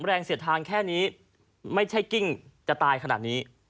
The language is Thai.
เสียทางแค่นี้ไม่ใช่กิ้งจะตายขนาดนี้